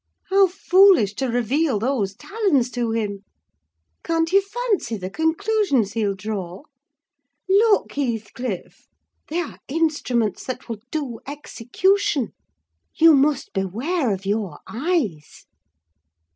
How foolish to reveal those talons to him. Can't you fancy the conclusions he'll draw? Look, Heathcliff! they are instruments that will do execution—you must beware of your eyes."